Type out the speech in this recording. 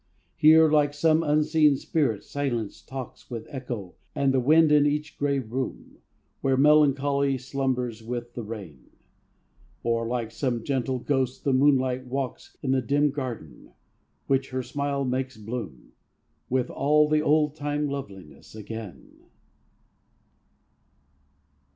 Here, like some unseen spirit, silence talks With echo and the wind in each gray room Where melancholy slumbers with the rain: Or, like some gentle ghost, the moonlight walks In the dim garden, which her smile makes bloom With all the old time loveliness again.